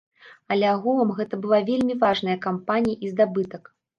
Але агулам гэта была вельмі важная кампанія і здабытак.